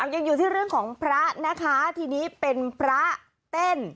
ยังอยู่ที่เรื่องของพระนะคะทีนี้เป็นพระเต้น